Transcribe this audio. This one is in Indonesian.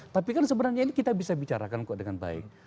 tapi kan sebenarnya ini kita bisa bicarakan kok dengan baik